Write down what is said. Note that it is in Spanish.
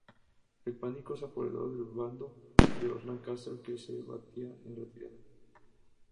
El pánico se apoderó del bando de los Lancaster que se batía en retirada.